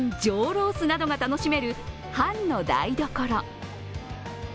ロースなどが楽しめる韓の台所。